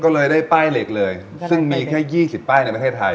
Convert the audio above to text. ก็เลยได้ป้ายเหล็กเลยซึ่งมีแค่๒๐ป้ายในประเทศไทย